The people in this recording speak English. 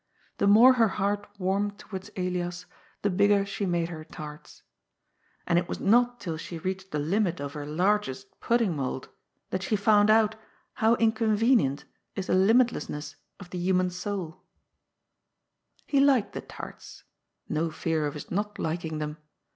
The more her heart warmed towards Elias, the bigger she made her tarts. And it was not till she reached the limit of her largest pudding mould* that she found out how incon venient is the limitlessness of the human soul. LIGHT AND SHADE. 41 He liked the tarts ; no fear of hiB not liking them.